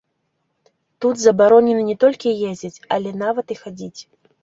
Тут забаронена не толькі ездзіць, але нават і хадзіць!